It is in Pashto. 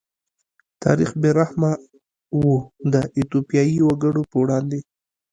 تاریخ بې رحمه و د ایتوپیايي وګړو په وړاندې.